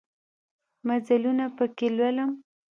مزلونه پکښې لولم